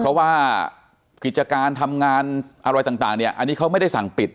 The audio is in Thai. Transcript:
เพราะว่ากิจการทำงานอะไรต่างเนี่ยอันนี้เขาไม่ได้สั่งปิด